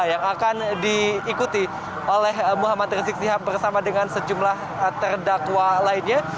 yang akan diikuti oleh muhammad rizik sihab bersama dengan sejumlah terdakwa lainnya